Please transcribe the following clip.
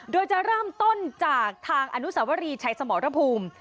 โดยจะเริ่มต้นจากทางอนุสวรีชัยสมรภูมิ